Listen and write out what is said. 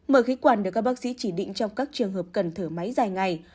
mở khí quản được các bác sĩ chỉ định trong các trường hợp cần thở máy dài ngày